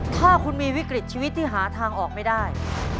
ถ้าคุณมีวิกฤตชีวิตที่หาทางออกไม่ได้